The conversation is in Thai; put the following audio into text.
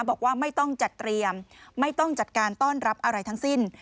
บอกว่าไม่ต้องจัดเตรียมไม่ต้องจัดการต้อนรับอะไรทั้งสิ้น